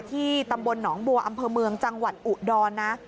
ที่ตำบลหนองบัวอำเภอเมืองจังหวัดอุดรนะ